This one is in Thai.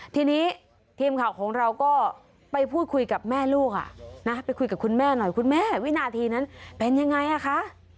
ทีนี้ทีมข่าวของเราก็ไปพูดคุยกับแม่ลูกไปคุยกับคุณแม่หน่อยคุณแม่วินาทีนั้นเป็นยังไงอ่ะคะ